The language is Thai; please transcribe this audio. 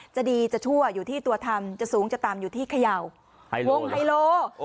จะดีจะชั่วอยู่ที่ตัวทำจะสูงจะต่ำอยู่ที่เขย่าวงไฮโล